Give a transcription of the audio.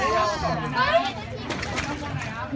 สวัสดีครับ